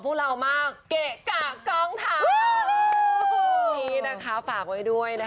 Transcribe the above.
เกะกะกองถ่าย